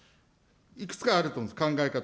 いくつかあると思うんです、考え方。